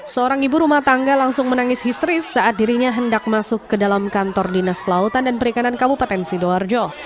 seorang ibu rumah tangga langsung menangis histeris saat dirinya hendak masuk ke dalam kantor dinas kelautan dan perikanan kabupaten sidoarjo